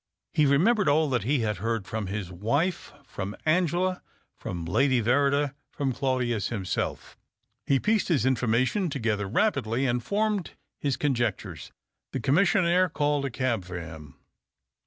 He remembered all that he had heard from his wife, from Angela, from Lady Verrider, from Claudius himself He pieced his information together rapidly, and formed his conjectures. The commissionaire called a cab for him.